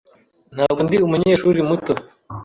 Ntabwo ndi umunyeshuri muto.